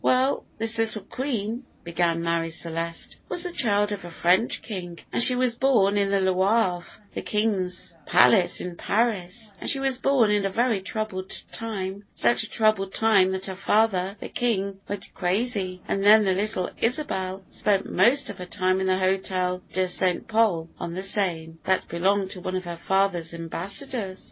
"Well, this little queen," began Marie Celeste, "was the child of a French king, and she was born in the Louvre, the King's palace in Paris, and she was born in a very troubled time such a troubled time, that her father, the King, went crazy; and then the little Isabel spent most of her time in the Hotel de St. Pol, on the Seine, that belonged to one of her father's ambassadors."